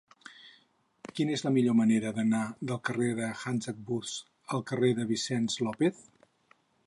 Quina és la millor manera d'anar del carrer de Hartzenbusch al carrer de Vicent López?